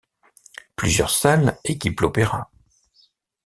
Plusieurs salles équipent l'opéra.